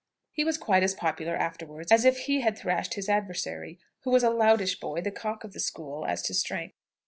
He was quite as popular afterwards, as if he had thrashed his adversary, who was a loutish boy, the cock of the school, as to strength.